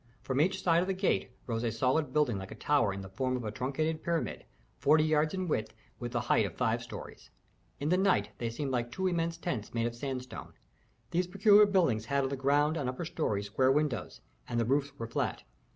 From each side of the gate rose a solid building like a tower in the form of a truncated pyramid, forty yards in width with the height of five stories. In the night they seemed like two immense tents made of sandstone. These peculiar buildings had on the ground and the upper stories square windows, and the roofs were flat.